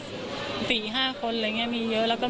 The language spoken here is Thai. พูดสิทธิ์ข่าวธรรมดาทีวีรายงานสดจากโรงพยาบาลพระนครศรีอยุธยาครับ